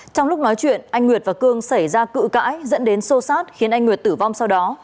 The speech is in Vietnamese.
trong lúc nói chuyện anh nguyệt và cương xảy ra cựu cãi dẫn đến sô sát khiến anh nguyệt tử vong sau đó